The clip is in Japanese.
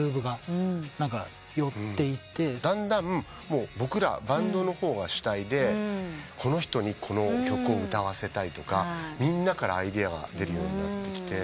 だんだん僕らバンドの方が主体でこの人にこの曲を歌わせたいとかみんなからアイデアが出るようになってきて。